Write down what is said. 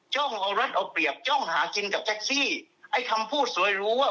จ้องระวัดออกเปรียบจ้องหากลิ่นกับของคำพูดสวยรู้ว่า